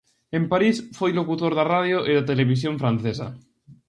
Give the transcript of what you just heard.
En París foi locutor da radio e da televisión francesa.